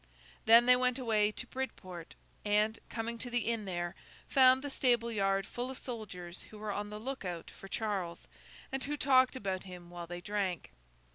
Then they went away to Bridport; and, coming to the inn there, found the stable yard full of soldiers who were on the look out for Charles, and who talked about him while they drank.